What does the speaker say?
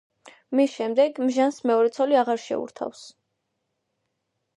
მის შემდეგ ჟანს მეორე ცოლი აღარ შეურთავს.